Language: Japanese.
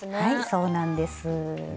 そうなんです。